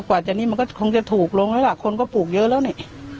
กว่าจะนี่มันก็คงจะถูกลงแล้วล่ะคนก็ปลูกเยอะแล้วนี่